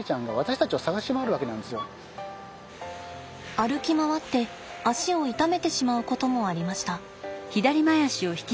歩き回って肢を傷めてしまうこともありました。